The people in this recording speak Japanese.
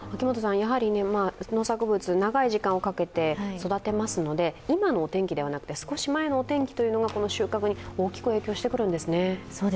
農作物、長い時間をかけて育てますので今のお天気ではなくて、少し前のお天気がこの収穫に大きく影響してくるんですね。